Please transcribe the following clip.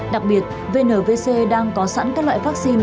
đặc biệt vnvc đang có sẵn các loại vaccine